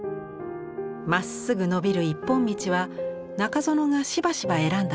まっすぐ延びる一本道は中園がしばしば選んだモチーフです。